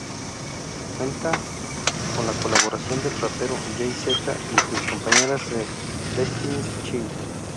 Cuenta con la colaboración del rapero Jay-Z y su compañeras de Destiny's Child.